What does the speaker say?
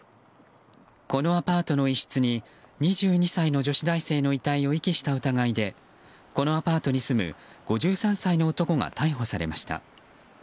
このアパートの一室に２２歳の女子大生の遺体を遺棄した疑いでこのアパートに住む５３歳の男が逮捕されました。